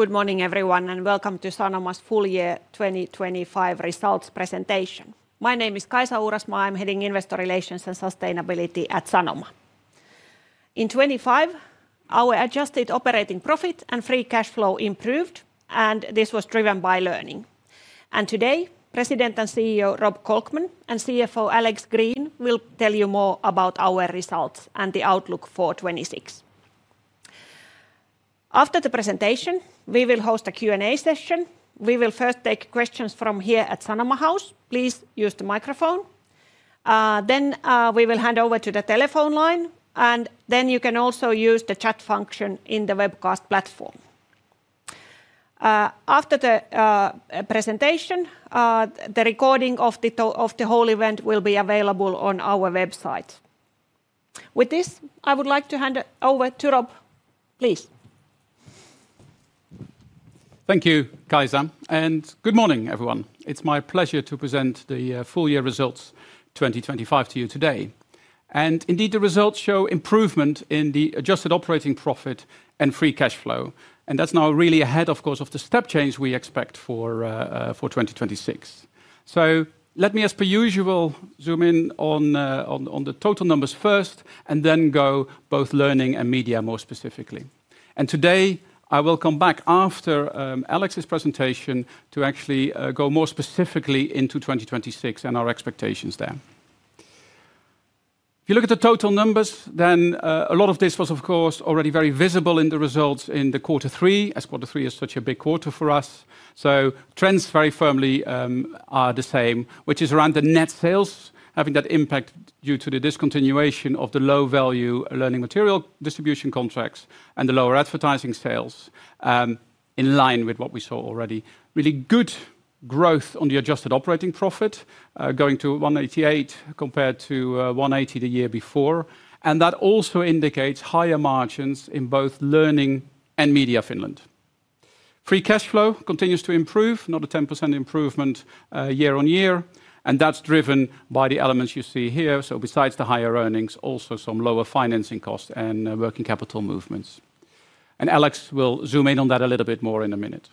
Good morning everyone and welcome to Sanoma's full year 2025 results presentation. My name is Kaisa Uurasmaa, I'm heading Investor Relations and Sustainability at Sanoma. In 2025, our Adjusted Operating Profit and Free Cash Flow improved, and this was driven by Learning. Today, President and CEO Rob Kolkman and CFO Alex Green will tell you more about our results and the outlook for 2026. After the presentation, we will host a Q&A session. We will first take questions from here at Sanoma House. Please use the microphone. Then we will hand over to the telephone line, and then you can also use the chat function in the webcast platform. After the presentation, the recording of the whole event will be available on our website. With this, I would like to hand over to Rob. Please. Thank you, Kaisa. Good morning everyone. It's my pleasure to present the full year results 2025 to you today. Indeed, the results show improvement in the adjusted operating profit and free cash flow. That's now really ahead, of course, of the step change we expect for 2026. Let me, as per usual, zoom in on the total numbers first and then go both learning and media more specifically. Today, I will come back after Alex's presentation to actually go more specifically into 2026 and our expectations there. If you look at the total numbers, then a lot of this was, of course, already very visible in the results in quarter three, as quarter three is such a big quarter for us. So trends very firmly are the same, which is around the net sales, having that impact due to the discontinuation of the low-value learning material distribution contracts and the lower advertising sales, in line with what we saw already. Really good growth on the adjusted operating profit, going to 188 compared to 180 the year before. And that also indicates higher margins in both Learning and Media Finland. Free cash flow continues to improve, now a 10% improvement year-on-year. And that's driven by the elements you see here. So besides the higher earnings, also some lower financing costs and working capital movements. And Alex will zoom in on that a little bit more in a minute.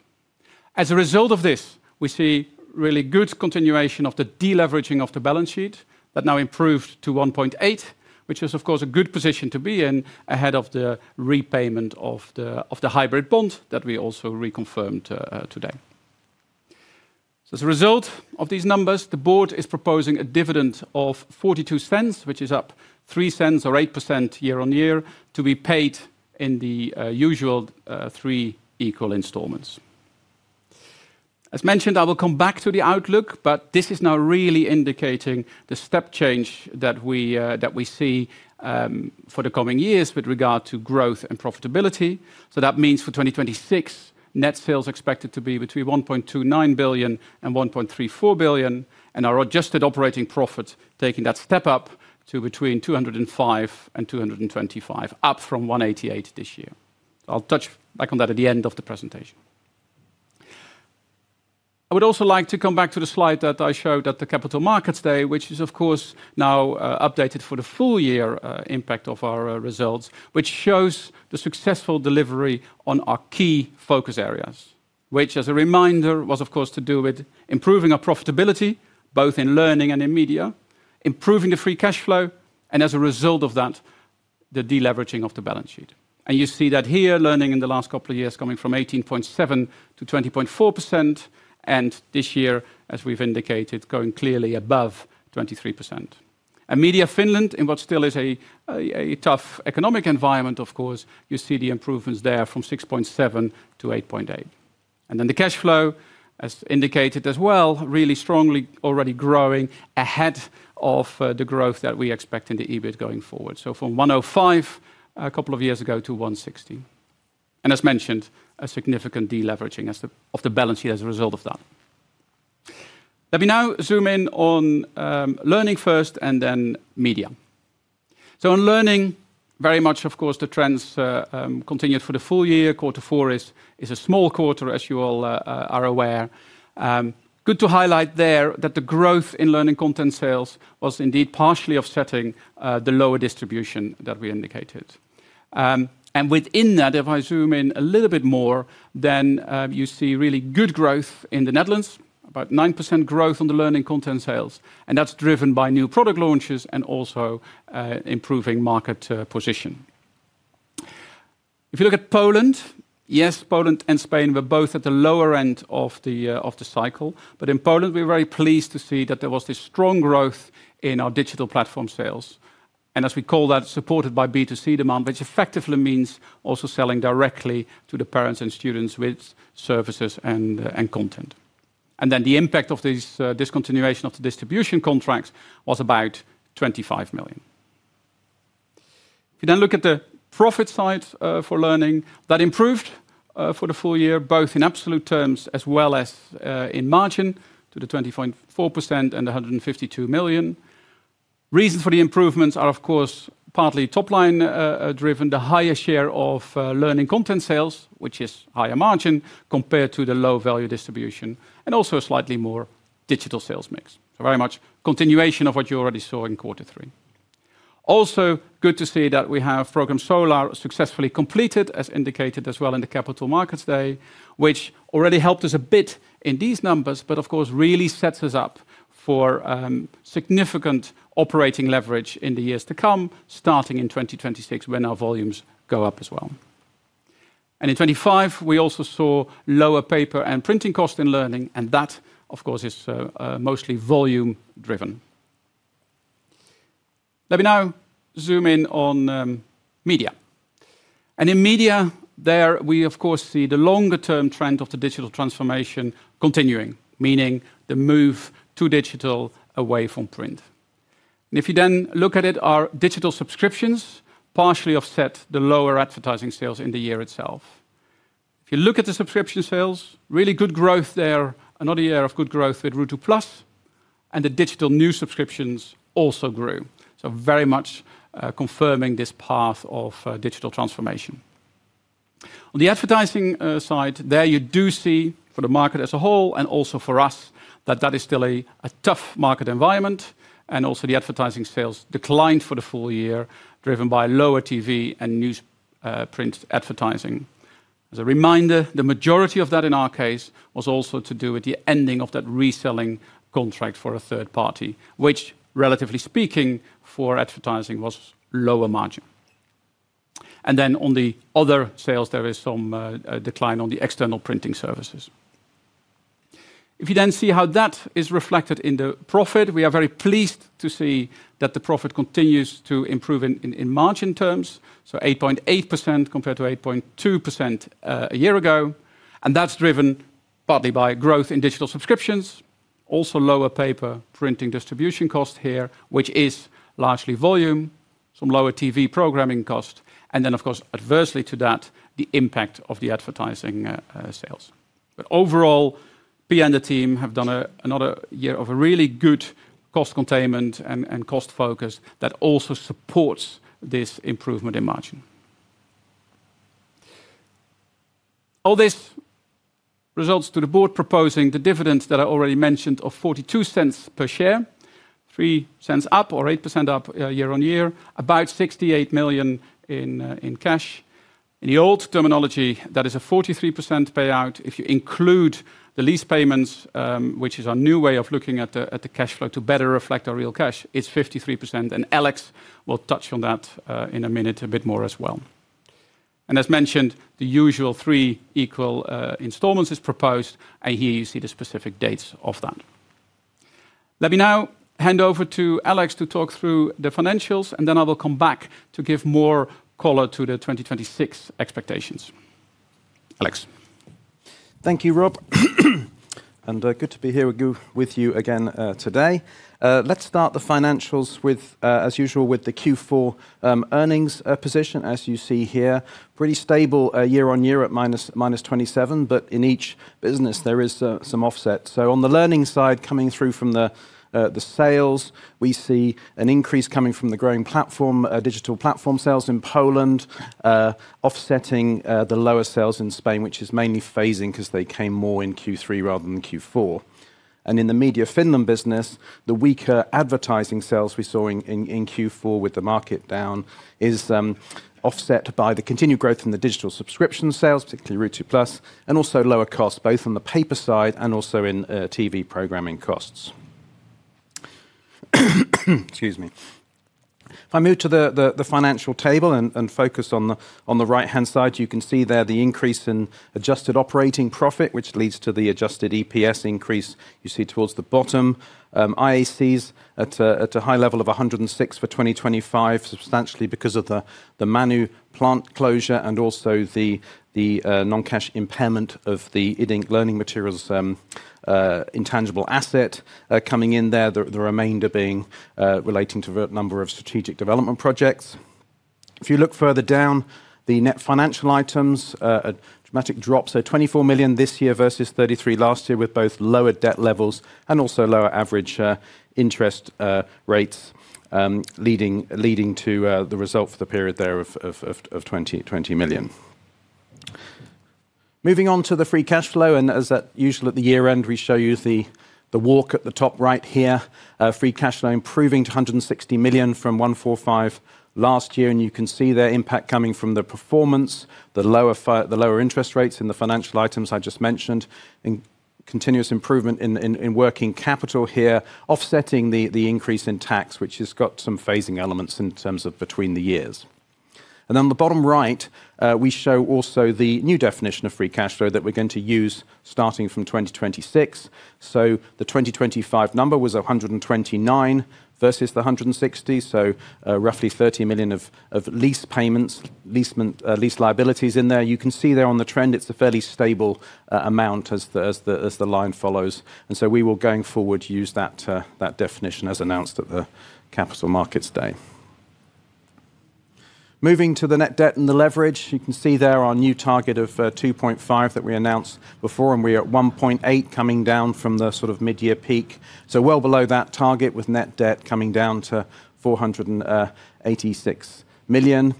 As a result of this, we see really good continuation of the deleveraging of the balance sheet that now improved to 1.8, which is, of course, a good position to be in ahead of the repayment of the hybrid bond that we also reconfirmed today. So as a result of these numbers, the board is proposing a dividend of 0.42, which is up 0.03 or 8% year-on-year to be paid in the usual three equal installments. As mentioned, I will come back to the outlook, but this is now really indicating the step change that we see for the coming years with regard to growth and profitability. So that means for 2026, net sales expected to be between 1.29 billion and 1.34 billion, and our Adjusted Operating Profit taking that step up to between 205 and 225, up from 188 this year. I'll touch back on that at the end of the presentation. I would also like to come back to the slide that I showed at the Capital Markets Day, which is, of course, now updated for the full year impact of our results, which shows the successful delivery on our key focus areas, which, as a reminder, was, of course, to do with improving our profitability, both in Learning and in Media, improving the free cash flow, and as a result of that, the deleveraging of the balance sheet. You see that here, Learning in the last couple of years coming from 18.7%-20.4%, and this year, as we've indicated, going clearly above 23%. Media Finland, in what still is a tough economic environment, of course, you see the improvements there from 6.7%-8.8%. Then the cash flow, as indicated as well, really strongly already growing ahead of the growth that we expect in the EBIT going forward. So from 105 a couple of years ago to 160. And as mentioned, a significant deleveraging of the balance sheet as a result of that. Let me now zoom in on Learning first and then Media. So on Learning, very much, of course, the trends continued for the full year. Quarter four is a small quarter, as you all are aware. Good to highlight there that the growth in learning content sales was indeed partially offsetting the lower distribution that we indicated. And within that, if I zoom in a little bit more, then you see really good growth in the Netherlands, about 9% growth on the learning content sales. And that's driven by new product launches and also improving market position. If you look at Poland, yes, Poland and Spain were both at the lower end of the cycle. But in Poland, we were very pleased to see that there was this strong growth in our digital platform sales. And as we call that, supported by B2C demand, which effectively means also selling directly to the parents and students with services and content. And then the impact of this discontinuation of the distribution contracts was about 25 million. If you then look at the profit side for learning, that improved for the full year, both in absolute terms as well as in margin to the 20.4% and the 152 million. Reasons for the improvements are, of course, partly top-line driven, the higher share of learning content sales, which is higher margin compared to the low-value distribution, and also a slightly more digital sales mix. So very much continuation of what you already saw in quarter three. Also, good to see that we have Program Solar successfully completed, as indicated as well in the Capital Markets Day, which already helped us a bit in these numbers, but of course, really sets us up for significant operating leverage in the years to come, starting in 2026 when our volumes go up as well. In 2025, we also saw lower paper and printing costs in learning, and that, of course, is mostly volume-driven. Let me now zoom in on media. In media, there we, of course, see the longer-term trend of the digital transformation continuing, meaning the move to digital away from print. If you then look at it, our digital subscriptions partially offset the lower advertising sales in the year itself. If you look at the subscription sales, really good growth there, another year of good growth with Ruutu+, and the digital new subscriptions also grew. So very much confirming this path of digital transformation. On the advertising side, there you do see for the market as a whole and also for us that that is still a tough market environment. And also the advertising sales declined for the full year, driven by lower TV and newsprint advertising. As a reminder, the majority of that in our case was also to do with the ending of that reselling contract for a third party, which, relatively speaking, for advertising was lower margin. And then on the other sales, there is some decline on the external printing services. If you then see how that is reflected in the profit, we are very pleased to see that the profit continues to improve in margin terms, so 8.8% compared to 8.2% a year ago. That's driven partly by growth in digital subscriptions, also lower paper printing distribution cost here, which is largely volume, some lower TV programming cost, and then, of course, adversely to that, the impact of the advertising sales. But overall, Pia and the team have done another year of a really good cost containment and cost focus that also supports this improvement in margin. All this results to the board proposing the dividends that I already mentioned of 0.42 per share, 0.03 up or 8% up year-over-year, about 68 million in cash. In the old terminology, that is a 43% payout. If you include the lease payments, which is our new way of looking at the cash flow to better reflect our real cash, it's 53%. And Alex will touch on that in a minute a bit more as well. And as mentioned, the usual three equal installments is proposed, and here you see the specific dates of that. Let me now hand over to Alex to talk through the financials, and then I will come back to give more color to the 2026 expectations. Alex. Thank you, Rob. Good to be here with you again today. Let's start the financials as usual with the Q4 earnings position, as you see here. Pretty stable year-over-year at -27, but in each business, there is some offset. On the learning side, coming through from the sales, we see an increase coming from the growing digital platform sales in Poland, offsetting the lower sales in Spain, which is mainly phasing because they came more in Q3 rather than Q4. In the Media Finland business, the weaker advertising sales we saw in Q4 with the market down is offset by the continued growth in the digital subscription sales, particularly Ruutu+, and also lower costs, both on the paper side and also in TV programming costs. Excuse me. If I move to the financial table and focus on the right-hand side, you can see there the increase in Adjusted Operating Profit, which leads to the Adjusted EPS increase you see towards the bottom. IACs at a high level of 106 million for 2025, substantially because of the Manu plant closure and also the non-cash impairment of the Iddink learning materials intangible asset coming in there, the remainder being relating to a number of strategic development projects. If you look further down, the net financial items, a dramatic drop, so 24 million this year versus 33 million last year with both lower debt levels and also lower average interest rates leading to the result for the period there of 20 million. Moving on to the free cash flow, and as usual at the year-end, we show you the walk at the top right here, free cash flow improving to 160 million from 145 million last year. And you can see their impact coming from the performance, the lower interest rates in the financial items I just mentioned, continuous improvement in working capital here, offsetting the increase in tax, which has got some phasing elements in terms of between the years. And on the bottom right, we show also the new definition of free cash flow that we're going to use starting from 2026. So the 2025 number was 129 million versus the 160 million, so roughly 30 million of lease payments, lease liabilities in there. You can see there on the trend, it's a fairly stable amount as the line follows. And so we will, going forward, use that definition as announced at the Capital Markets Day. Moving to the net debt and the leverage, you can see there our new target of 2.5 that we announced before, and we are at 1.8 coming down from the sort of mid-year peak. So well below that target with net debt coming down to 486 million.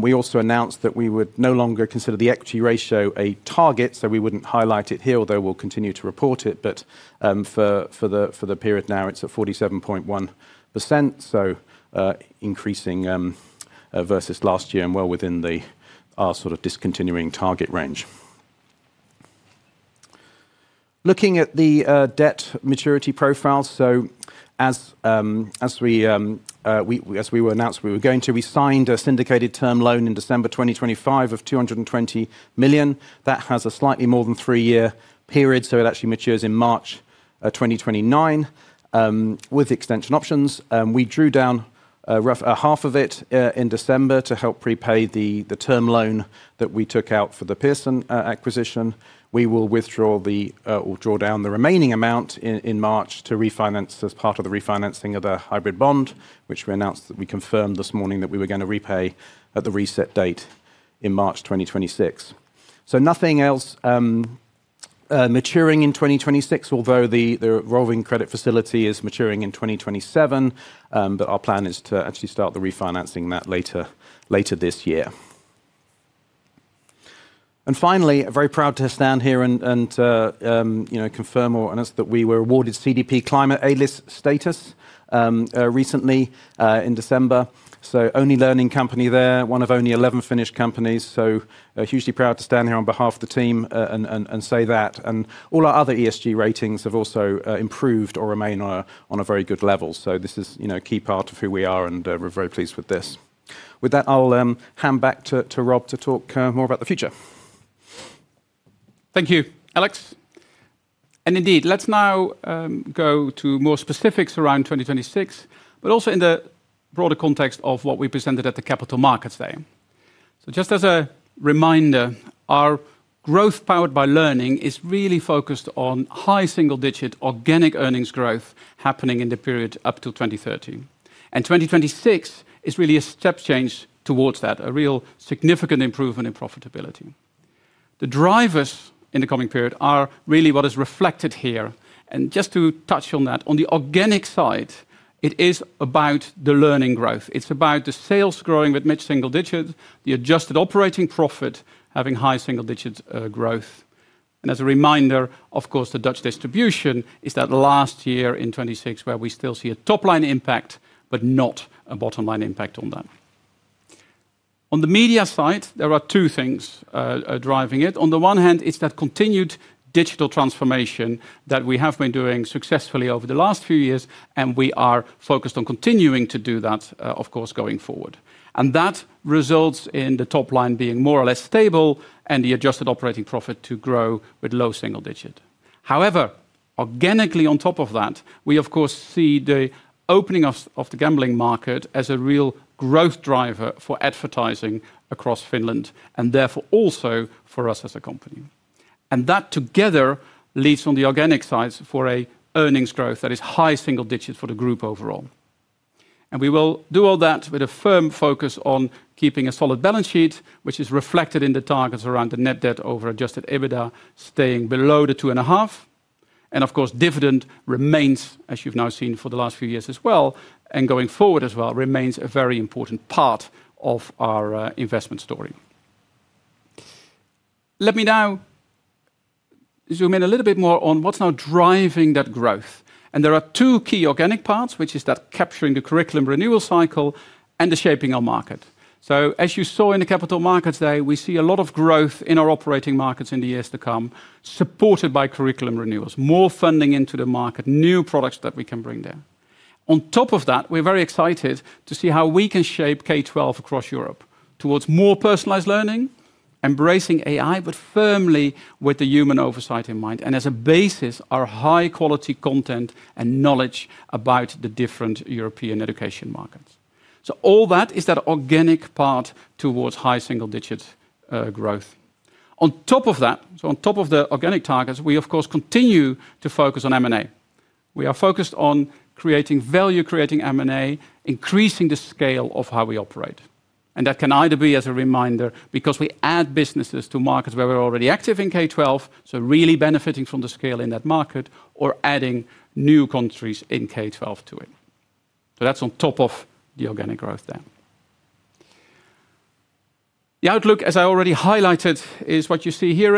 We also announced that we would no longer consider the equity ratio a target, so we wouldn't highlight it here, although we'll continue to report it. But for the period now, it's at 47.1%, so increasing versus last year and well within our sort of discontinuing target range. Looking at the debt maturity profile, so as we announced we were going to, we signed a syndicated term loan in December 2025 of 220 million. That has a slightly more than three-year period, so it actually matures in March 2029 with extension options. We drew down half of it in December to help prepay the term loan that we took out for the Pearson acquisition. We will withdraw or draw down the remaining amount in March to refinance as part of the refinancing of the hybrid bond, which we announced that we confirmed this morning that we were going to repay at the reset date in March 2026. So nothing else maturing in 2026, although the revolving credit facility is maturing in 2027. But our plan is to actually start the refinancing that later this year. And finally, very proud to stand here and confirm that we were awarded CDP Climate A List status recently in December. So only learning company there, one of only 11 Finnish companies. So hugely proud to stand here on behalf of the team and say that. And all our other ESG ratings have also improved or remain on a very good level. So this is a key part of who we are, and we're very pleased with this. With that, I'll hand back to Rob to talk more about the future. Thank you, Alex. And indeed, let's now go to more specifics around 2026, but also in the broader context of what we presented at the Capital Markets Day. So just as a reminder, our growth powered by learning is really focused on high single-digit organic earnings growth happening in the period up to 2030. And 2026 is really a step change towards that, a real significant improvement in profitability. The drivers in the coming period are really what is reflected here. And just to touch on that, on the organic side, it is about the learning growth. It's about the sales growing with mid-single digits, the adjusted operating profit having high single-digit growth. And as a reminder, of course, the Dutch distribution is that last year in 2026 where we still see a top-line impact, but not a bottom-line impact on that. On the media side, there are two things driving it. On the one hand, it's that continued digital transformation that we have been doing successfully over the last few years, and we are focused on continuing to do that, of course, going forward. And that results in the top-line being more or less stable and the Adjusted Operating Profit to grow with low single-digit. However, organically on top of that, we, of course, see the opening of the gambling market as a real growth driver for advertising across Finland and therefore also for us as a company. And that together leads on the organic sides for an earnings growth that is high single digits for the group overall. And we will do all that with a firm focus on keeping a solid balance sheet, which is reflected in the targets around the net debt over Adjusted EBITDA staying below the 2.5. And of course, dividend remains, as you've now seen for the last few years as well, and going forward as well, remains a very important part of our investment story. Let me now zoom in a little bit more on what's now driving that growth. There are two key organic parts, which is that capturing the curriculum renewal cycle and the shaping of market. As you saw in the Capital Markets Day, we see a lot of growth in our operating markets in the years to come, supported by curriculum renewals, more funding into the market, new products that we can bring there. On top of that, we're very excited to see how we can shape K-12 across Europe towards more personalized learning, embracing AI, but firmly with the human oversight in mind, and as a basis, our high-quality content and knowledge about the different European education markets. All that is that organic part towards high single-digit growth. On top of that, on top of the organic targets, we, of course, continue to focus on M&A. We are focused on creating value-creating M&A, increasing the scale of how we operate. And that can either be, as a reminder, because we add businesses to markets where we're already active in K-12, so really benefiting from the scale in that market, or adding new countries in K-12 to it. So that's on top of the organic growth there. The outlook, as I already highlighted, is what you see here.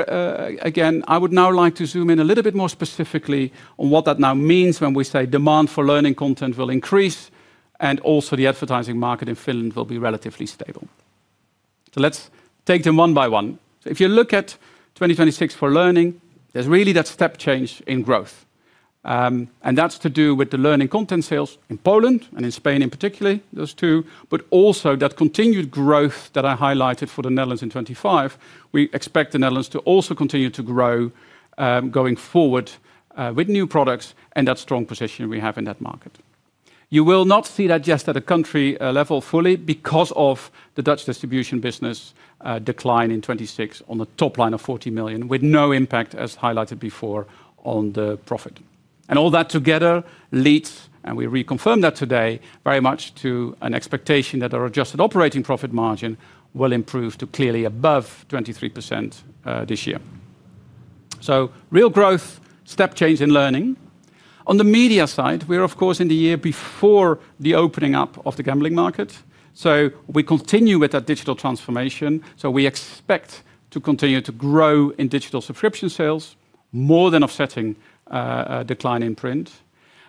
Again, I would now like to zoom in a little bit more specifically on what that now means when we say demand for learning content will increase and also the advertising market in Finland will be relatively stable. So let's take them one by one. So if you look at 2026 for learning, there's really that step change in growth. And that's to do with the learning content sales in Poland and in Spain in particular, those two, but also that continued growth that I highlighted for the Netherlands in 2025. We expect the Netherlands to also continue to grow going forward with new products and that strong position we have in that market. You will not see that just at a country level fully because of the Dutch distribution business decline in 2026 on the top line of 40 million with no impact, as highlighted before, on the profit. And all that together leads, and we reconfirm that today, very much to an expectation that our Adjusted Operating Profit margin will improve to clearly above 23% this year. So real growth, step change in learning. On the media side, we are, of course, in the year before the opening up of the gambling market. So we continue with that digital transformation. So we expect to continue to grow in digital subscription sales, more than offsetting decline in print.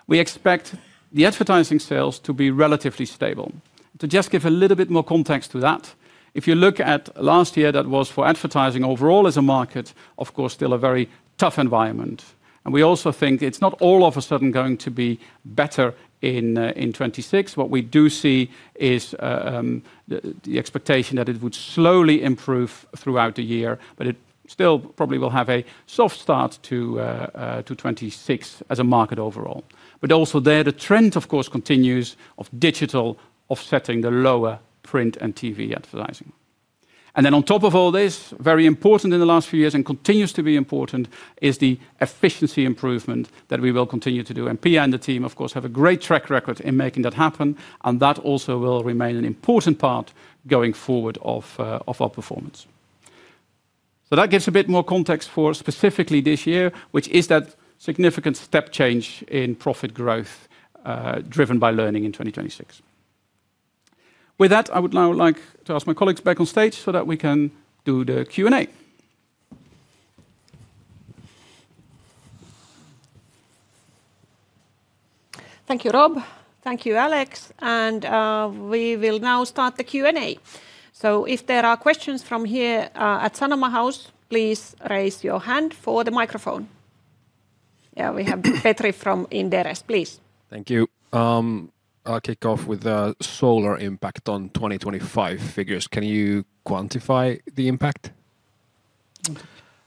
We expect the advertising sales to be relatively stable. To just give a little bit more context to that, if you look at last year, that was for advertising overall as a market, of course, still a very tough environment. And we also think it's not all of a sudden going to be better in 2026. What we do see is the expectation that it would slowly improve throughout the year, but it still probably will have a soft start to 2026 as a market overall. But also there, the trend, of course, continues of digital offsetting the lower print and TV advertising. And then on top of all this, very important in the last few years and continues to be important, is the efficiency improvement that we will continue to do. And Pia and the team, of course, have a great track record in making that happen. That also will remain an important part going forward of our performance. That gives a bit more context for specifically this year, which is that significant step change in profit growth driven by learning in 2026. With that, I would now like to ask my colleagues back on stage so that we can do the Q&A. Thank you, Rob. Thank you, Alex. We will now start the Q&A. If there are questions from here at Sanoma House, please raise your hand for the microphone. Yeah, we have Petri from Inderes. Please. Thank you. I'll kick off with the Solar impact on 2025 figures. Can you quantify the impact?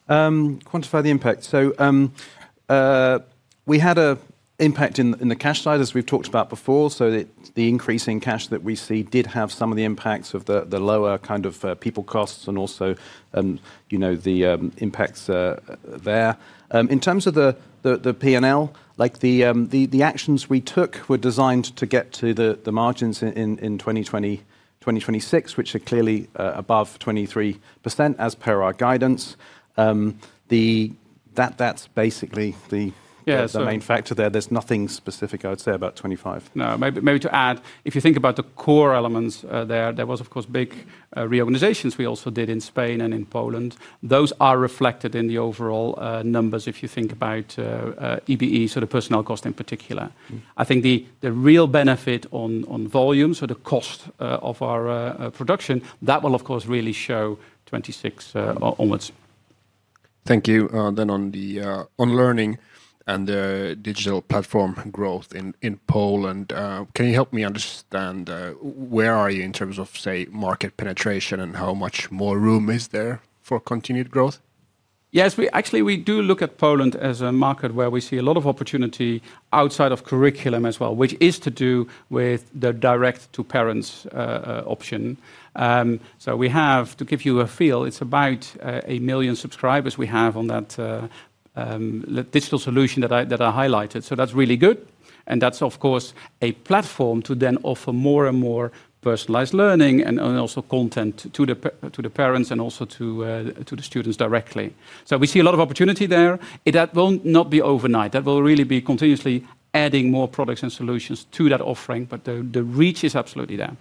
Quantify the impact. So we had an impact in the cash side, as we've talked about before. So the increase in cash that we see did have some of the impacts of the lower kind of people costs and also the impacts there. In terms of the P&L, the actions we took were designed to get to the margins in 2026, which are clearly above 23% as per our guidance. That's basically the main factor there. There's nothing specific, I would say, about 2025. No, maybe to add, if you think about the core elements there, there was, of course, big reorganizations we also did in Spain and in Poland. Those are reflected in the overall numbers if you think about EBE, sort of personnel cost in particular. I think the real benefit on volume, so the cost of our production, that will, of course, really show 2026 onwards. Thank you. Then on learning and digital platform growth in Poland, can you help me understand where are you in terms of, say, market penetration and how much more room is there for continued growth? Yes, actually, we do look at Poland as a market where we see a lot of opportunity outside of curriculum as well, which is to do with the direct-to-parents option. So we have, to give you a feel, it's about 1 million subscribers we have on that digital solution that I highlighted. So that's really good. And that's, of course, a platform to then offer more and more personalized learning and also content to the parents and also to the students directly. So we see a lot of opportunity there. That will not be overnight. That will really be continuously adding more products and solutions to that offering. But the reach is absolutely there.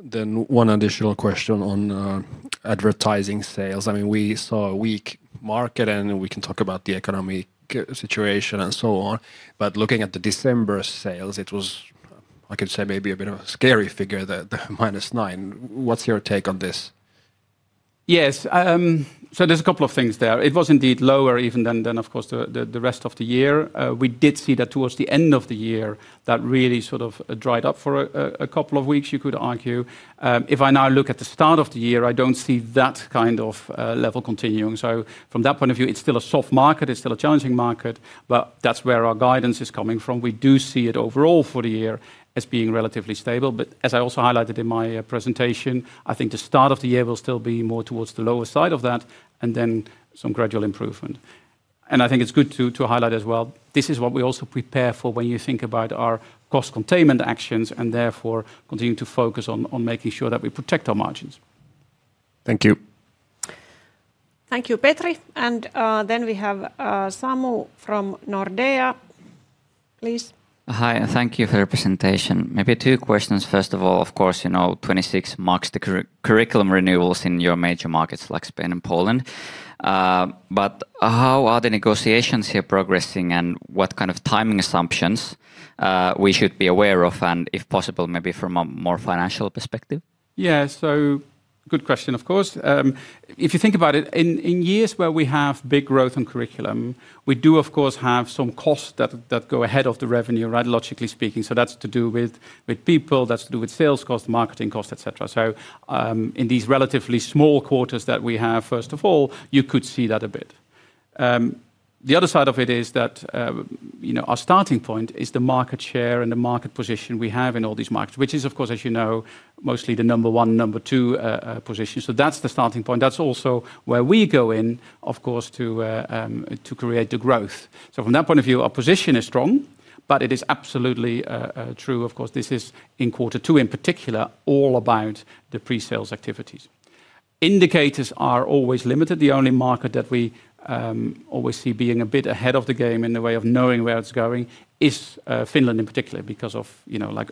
Then one additional question on advertising sales. I mean, we saw a weak market, and we can talk about the economic situation and so on. But looking at the December sales, it was, I could say, maybe a bit of a scary figure, the -9%. What's your take on this? Yes, so there's a couple of things there. It was indeed lower even than, of course, the rest of the year. We did see that towards the end of the year, that really sort of dried up for a couple of weeks, you could argue. If I now look at the start of the year, I don't see that kind of level continuing. So from that point of view, it's still a soft market. It's still a challenging market. But that's where our guidance is coming from. We do see it overall for the year as being relatively stable. But as I also highlighted in my presentation, I think the start of the year will still be more towards the lower side of that and then some gradual improvement. I think it's good to highlight as well, this is what we also prepare for when you think about our cost containment actions and therefore continuing to focus on making sure that we protect our margins. Thank you. Thank you, Petri. And then we have Samu from Nordea. Please. Hi, and thank you for your presentation. Maybe two questions. First of all, of course, 2026 marks the curriculum renewals in your major markets like Spain and Poland. But how are the negotiations here progressing, and what kind of timing assumptions we should be aware of, and if possible, maybe from a more financial perspective? Yeah, so good question, of course. If you think about it, in years where we have big growth on curriculum, we do, of course, have some costs that go ahead of the revenue, logically speaking. So that's to do with people. That's to do with sales costs, marketing costs, etc. So in these relatively small quarters that we have, first of all, you could see that a bit. The other side of it is that our starting point is the market share and the market position we have in all these markets, which is, of course, as you know, mostly the number one, number two position. So that's the starting point. That's also where we go in, of course, to create the growth. So from that point of view, our position is strong. But it is absolutely true, of course, this is in quarter two in particular, all about the presales activities. Indicators are always limited. The only market that we always see being a bit ahead of the game in the way of knowing where it's going is Finland in particular because of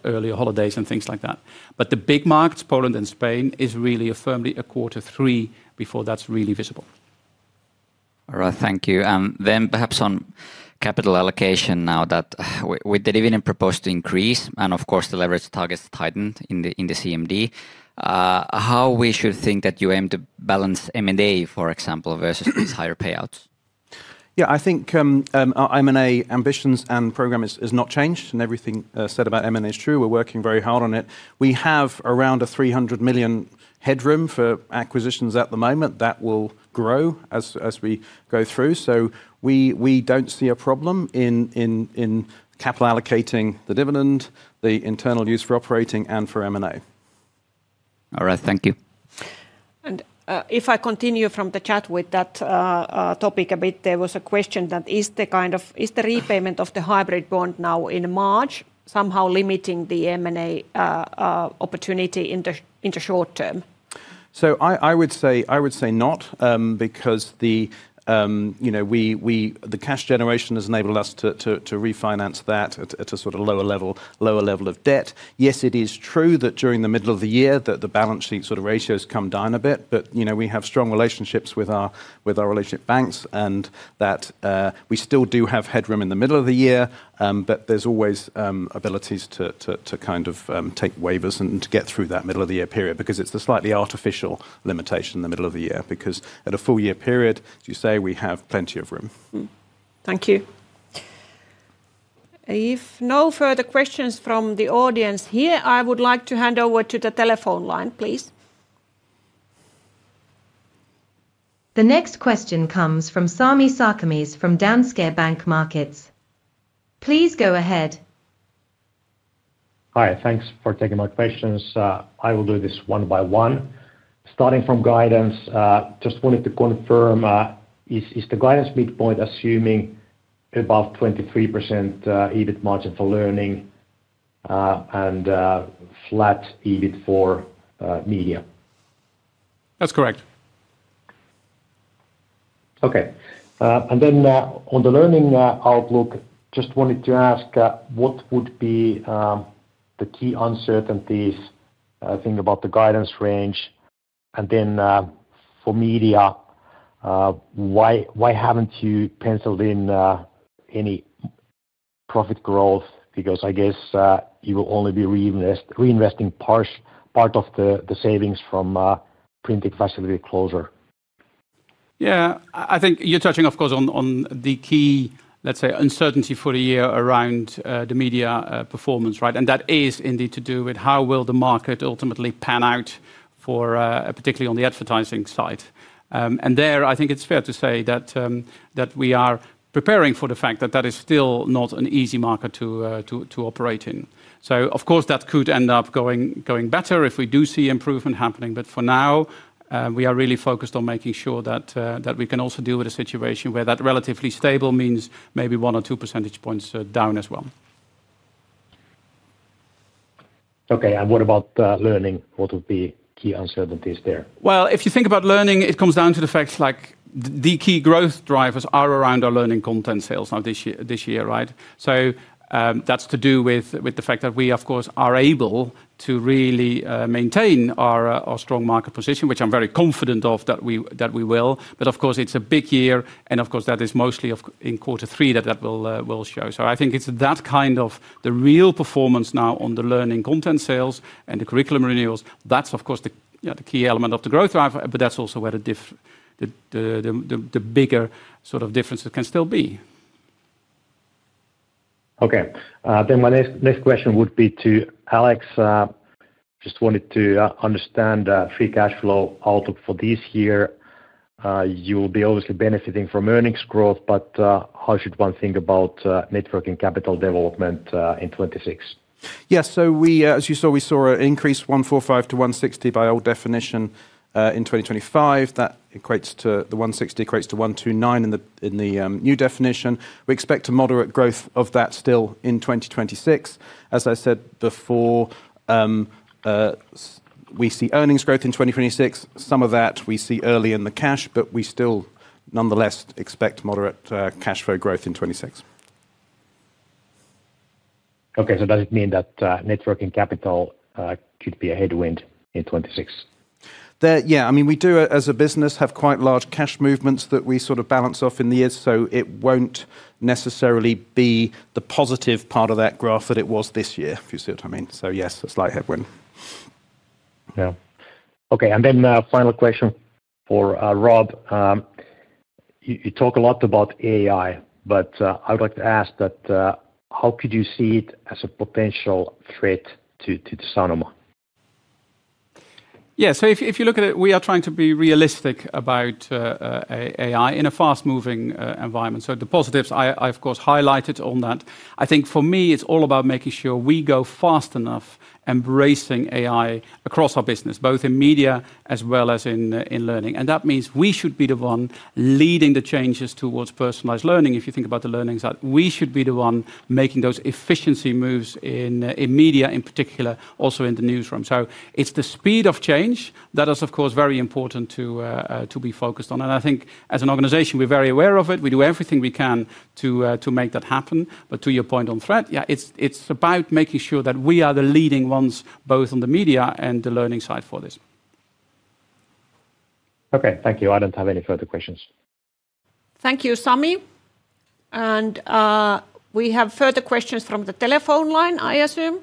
earlier holidays and things like that. But the big markets, Poland and Spain, is really firmly a quarter three before that's really visible. All right, thank you. Then perhaps on capital allocation now that we did even proposed to increase, and of course, the leverage targets tightened in the CMD. How we should think that you aim to balance M&A, for example, versus these higher payouts? Yeah, I think M&A ambitions and program has not changed, and everything said about M&A is true. We're working very hard on it. We have around 300 million headroom for acquisitions at the moment that will grow as we go through. So we don't see a problem in capital allocating the dividend, the internal use for operating, and for M&A. All right, thank you. If I continue from the chat with that topic a bit, there was a question that is the kind of: is the repayment of the hybrid bond now in March somehow limiting the M&A opportunity in the short term? So I would say not because the cash generation has enabled us to refinance that at a sort of lower level of debt. Yes, it is true that during the middle of the year, the balance sheet sort of ratios come down a bit. But we have strong relationships with our relationship banks, and that we still do have headroom in the middle of the year. But there's always abilities to kind of take waivers and get through that middle of the year period because it's the slightly artificial limitation in the middle of the year. Because at a full year period, as you say, we have plenty of room. Thank you. If no further questions from the audience here, I would like to hand over to the telephone line. Please. The next question comes from Sami Sarkamies from Danske Bank. Please go ahead. Hi, thanks for taking my questions. I will do this one by one. Starting from guidance, just wanted to confirm, is the guidance midpoint assuming above 23% EBIT margin for learning and flat EBIT for media? That's correct. Okay. And then on the learning outlook, just wanted to ask, what would be the key uncertainties? Think about the guidance range. And then for media, why haven't you penciled in any profit growth? Because I guess you will only be reinvesting part of the savings from printing facility closure. Yeah, I think you're touching, of course, on the key, let's say, uncertainty for the year around the media performance, right? And that is indeed to do with how will the market ultimately pan out, particularly on the advertising side. And there, I think it's fair to say that we are preparing for the fact that that is still not an easy market to operate in. So, of course, that could end up going better if we do see improvement happening. But for now, we are really focused on making sure that we can also deal with a situation where that relatively stable means maybe one or two percentage points down as well. Okay, and what about learning? What would be key uncertainties there? Well, if you think about learning, it comes down to the fact the key growth drivers are around our learning content sales this year, right? So that's to do with the fact that we, of course, are able to really maintain our strong market position, which I'm very confident of that we will. But, of course, it's a big year, and of course, that is mostly in quarter three that that will show. So I think it's that kind of the real performance now on the learning content sales and the curriculum renewals. That's, of course, the key element of the growth driver. But that's also where the bigger sort of differences can still be. Okay. Then my next question would be to Alex. Just wanted to understand free cash flow outlook for this year. You will be obviously benefiting from earnings growth, but how should one think about net working capital development in 2026? Yes, so as you saw, we saw an increase from 145-160 by old definition in 2025. The 160 equates to 129 in the new definition. We expect a moderate growth of that still in 2026. As I said before, we see earnings growth in 2026. Some of that we see early in the cash, but we still nonetheless expect moderate cash flow growth in 2026. Okay, so does it mean that net working capital could be a headwind in 2026? Yeah, I mean, we do, as a business, have quite large cash movements that we sort of balance off in the years. So it won't necessarily be the positive part of that graph that it was this year, if you see what I mean. So yes, a slight headwind. Yeah. Okay, and then final question for Rob. You talk a lot about AI, but I would like to ask that how could you see it as a potential threat to Sanoma? Yeah, so if you look at it, we are trying to be realistic about AI in a fast-moving environment. So the positives, I, of course, highlighted on that. I think for me, it's all about making sure we go fast enough embracing AI across our business, both in media as well as in learning. And that means we should be the one leading the changes towards personalized learning. If you think about the learning side, we should be the one making those efficiency moves in media, in particular, also in the newsroom. So it's the speed of change that is, of course, very important to be focused on. And I think as an organization, we're very aware of it. We do everything we can to make that happen. To your point on threat, yeah, it's about making sure that we are the leading ones, both on the media and the learning side for this. Okay, thank you. I don't have any further questions. Thank you, Sami. We have further questions from the telephone line, I assume.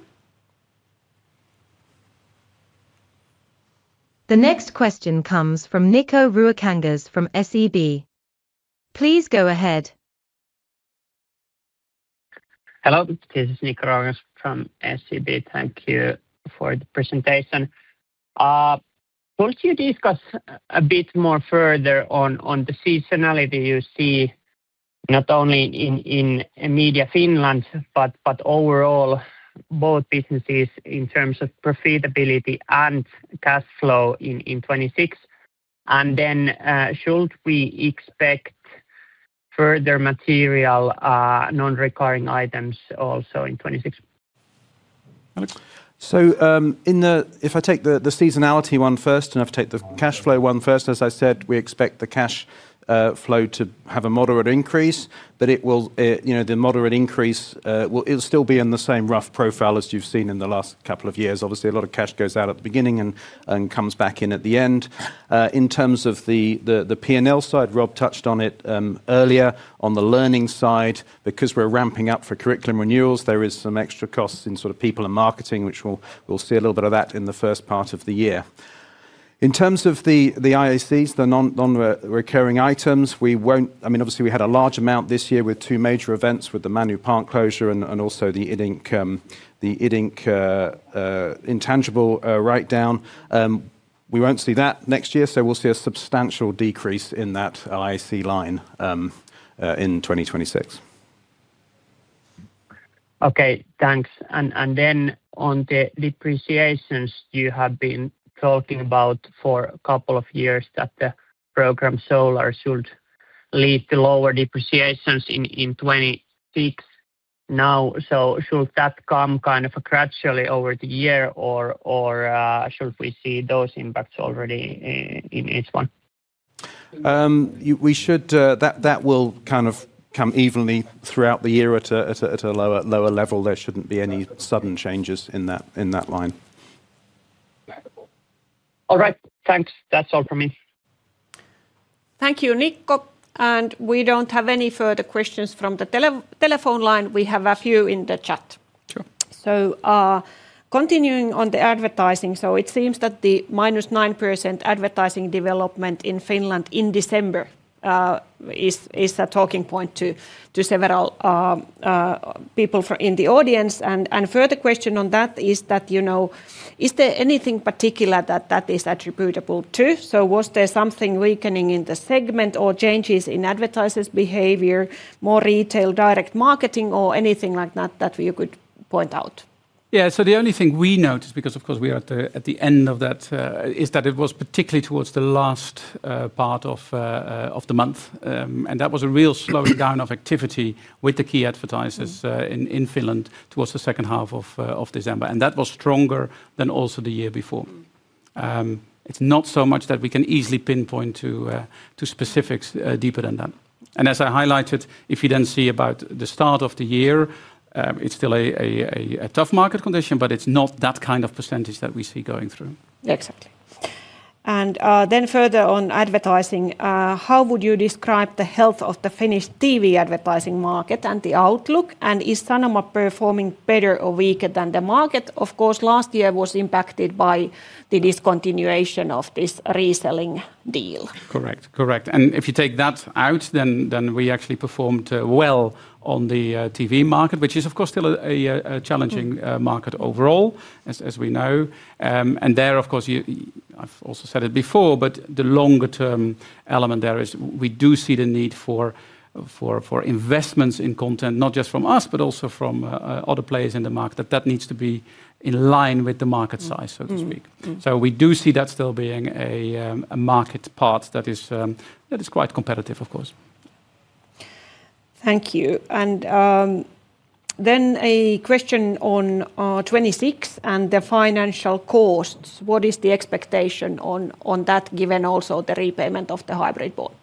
The next question comes from Nikko Ruokangas from SEB. Please go ahead. Hello, this is Nikko Ruokangas from SEB. Thank you for the presentation. Could you discuss a bit more further on the seasonality you see not only in Media Finland but overall both businesses in terms of profitability and cash flow in 2026? And then should we expect further material non-recurring items also in 2026? So if I take the seasonality one first and if I take the cash flow one first, as I said, we expect the cash flow to have a moderate increase. But the moderate increase will still be in the same rough profile as you've seen in the last couple of years. Obviously, a lot of cash goes out at the beginning and comes back in at the end. In terms of the P&L side, Rob touched on it earlier. On the learning side, because we're ramping up for curriculum renewals, there is some extra costs in sort of people and marketing, which we'll see a little bit of that in the first part of the year. In terms of the IACs, the non-recurring items, I mean, obviously, we had a large amount this year with two major events, with the Sanoma Manu closure and also the Iddink intangible write-down. We won't see that next year, so we'll see a substantial decrease in that IAC line in 2026. Okay, thanks. Then on the depreciations, you have been talking about for a couple of years that the Program Solar should lead to lower depreciations in 2026 now. So should that come kind of gradually over the year, or should we see those impacts already in each one? That will kind of come evenly throughout the year at a lower level. There shouldn't be any sudden changes in that line. All right, thanks. That's all from me. Thank you, Nikko. And we don't have any further questions from the telephone line. We have a few in the chat. So continuing on the advertising, so it seems that the -9% advertising development in Finland in December is a talking point to several people in the audience. And further question on that is that, is there anything particular that is attributable to? So was there something weakening in the segment or changes in advertisers' behavior, more retail direct marketing, or anything like that that you could point out? Yeah, so the only thing we noticed, because of course, we are at the end of that, is that it was particularly towards the last part of the month. That was a real slowdown of activity with the key advertisers in Finland towards the second half of December. That was stronger than also the year before. It's not so much that we can easily pinpoint to specifics deeper than that. As I highlighted, if you then see about the start of the year, it's still a tough market condition, but it's not that kind of percentage that we see going through. Exactly. And then further on advertising, how would you describe the health of the Finnish TV advertising market and the outlook? And is Sanoma performing better or weaker than the market? Of course, last year was impacted by the discontinuation of this reselling deal. Correct, correct. And if you take that out, then we actually performed well on the TV market, which is, of course, still a challenging market overall, as we know. And there, of course, I've also said it before, but the longer-term element there is we do see the need for investments in content, not just from us, but also from other players in the market. That needs to be in line with the market size, so to speak. So we do see that still being a market part that is quite competitive, of course. Thank you. Then a question on 2026 and the financial costs. What is the expectation on that, given also the repayment of the hybrid bond?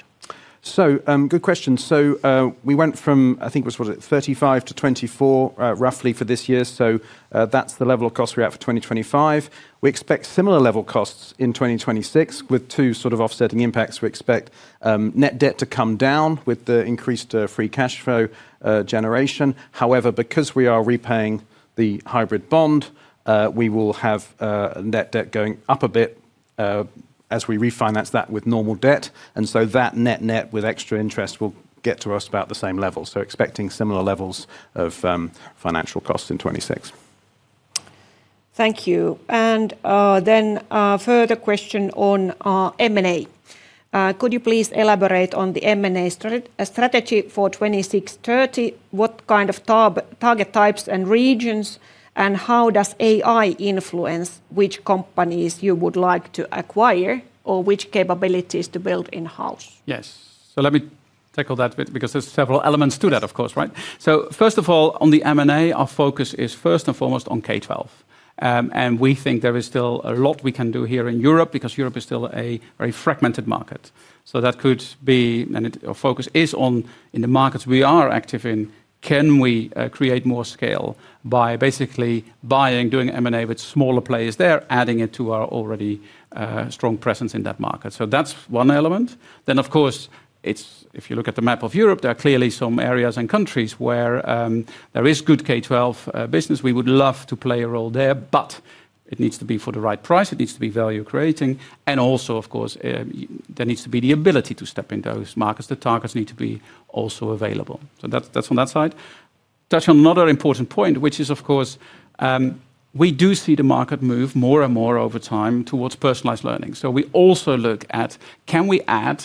So good question. So we went from, I think it was, what is it, 35-24 roughly for this year. So that's the level of costs we have for 2025. We expect similar level costs in 2026 with two sort of offsetting impacts. We expect net debt to come down with the increased free cash flow generation. However, because we are repaying the hybrid bond, we will have net debt going up a bit as we refinance that with normal debt. And so that net-net with extra interest will get to us about the same level. So expecting similar levels of financial costs in 2026. Thank you. Further question on M&A. Could you please elaborate on the M&A strategy for 2630? What kind of target types and regions, and how does AI influence which companies you would like to acquire or which capabilities to build in-house? Yes, so let me tackle that because there's several elements to that, of course, right? So first of all, on the M&A, our focus is first and foremost on K-12. And we think there is still a lot we can do here in Europe because Europe is still a very fragmented market. So that could be, and our focus is on, in the markets we are active in, can we create more scale by basically buying, doing M&A with smaller players there, adding it to our already strong presence in that market. So that's one element. Then, of course, if you look at the map of Europe, there are clearly some areas and countries where there is good K-12 business. We would love to play a role there, but it needs to be for the right price. It needs to be value-creating. And also, of course, there needs to be the ability to step in those markets. The targets need to be also available. So that's on that side. Touch on another important point, which is, of course, we do see the market move more and more over time towards personalized learning. So we also look at, can we add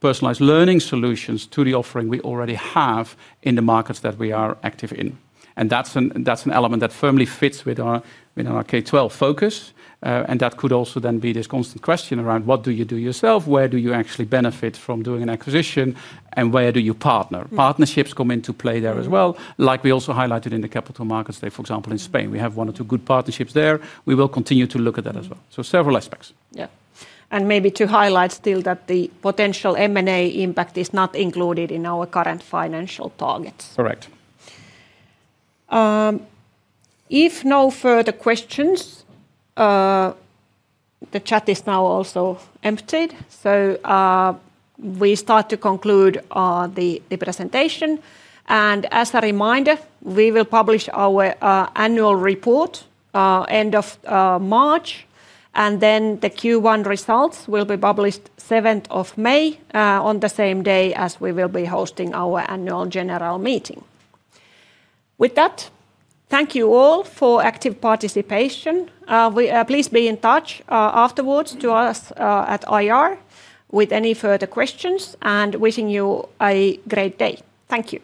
personalized learning solutions to the offering we already have in the markets that we are active in? And that's an element that firmly fits within our K-12 focus. And that could also then be this constant question around, what do you do yourself? Where do you actually benefit from doing an acquisition? And where do you partner? Partnerships come into play there as well, like we also highlighted in the capital markets there, for example, in Spain. We have one or two good partnerships there. We will continue to look at that as well. So several aspects. Yeah. And maybe to highlight still that the potential M&A impact is not included in our current financial targets. Correct. If no further questions, the chat is now also emptied. We start to conclude the presentation. As a reminder, we will publish our annual report end of March. Then the Q1 results will be published 7th of May on the same day as we will be hosting our Annual General Meeting. With that, thank you all for active participation. Please be in touch afterwards to us at IR with any further questions and wishing you a great day. Thank you.